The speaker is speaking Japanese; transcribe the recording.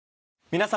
皆様。